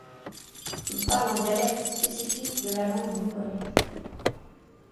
Ils parlent un dialecte spécifique de la langue mongole.